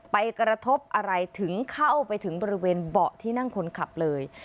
กระทบอะไรถึงเข้าไปถึงบริเวณเบาะที่นั่งคนขับเลย